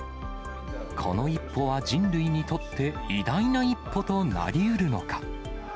この一歩は人類にとって、偉大な一歩となりうるのか。